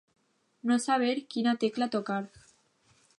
No saber quina tecla tocar.